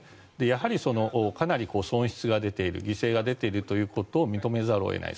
やはりかなり損失が出ている犠牲が出ているということを認めざるを得ない。